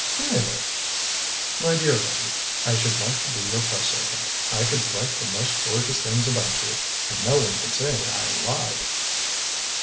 "Really!" "My dear lady I should like to be your press agent. I could write the most gorgeous things about you and no one could say I lied."